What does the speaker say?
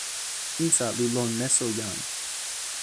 insa li lon meso jan.